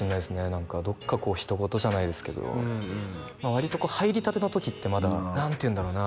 何かどっかこうひと事じゃないですけどまあ割とこう入りたての時ってまだ何ていうんだろうな？